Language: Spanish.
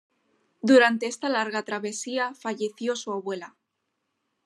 Durante esta larga travesía falleció su abuela.